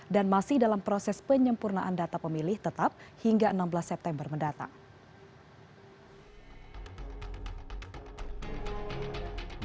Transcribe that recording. dan masih dalam proses penyempurnaan data pemilih tetap hingga enam belas september mendatang